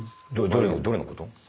どれどれのこと？